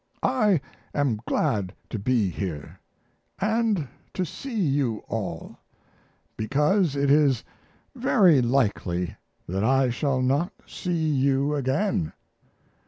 I am glad to be here, and to see you all, because it is very likely that I shall not see you again.